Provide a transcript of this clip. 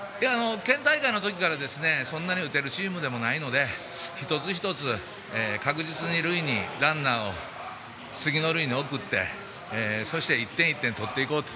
県大会の時から、そんなに打てるチームでもないので一つ一つ確実にランナーを次の塁に送ってそして１点１点取っていこうと。